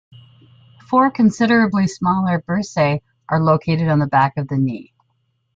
Four considerably smaller bursae are located on the back of the knee.